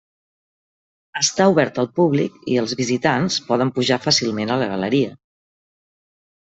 Està obert al públic i els visitants poden pujar fàcilment a la galeria.